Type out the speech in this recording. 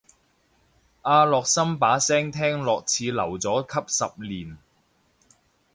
阿樂琛把聲聽落似留咗級十年